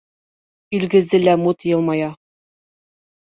Илгизе лә мут йылмая: